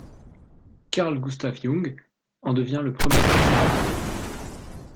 Carl Gustav Jung en devient le premier président.